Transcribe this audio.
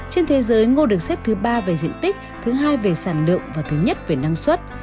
trên thế giới ngô được xếp thứ ba về diện tích thứ hai về sản lượng và thứ nhất về năng suất